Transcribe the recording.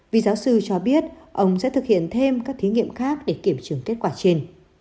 vì giáo sư cho biết ông sẽ thực hiện thêm các thí nghiệm khác để kiểm chứng kết quả trên